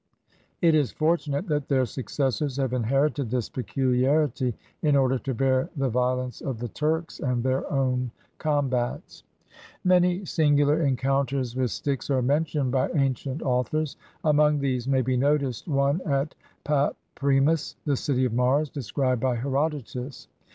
It is fortunate that their successors have inherited this peculiarity, in order to bear the violence of the Turks, and their own combats. Many singular encounters with sticks are mentioned by ancient authors ; among these may be noticed one at Papremis, the city of Mars, described by Herodotus.